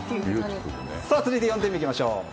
続いて４点目にいきましょう。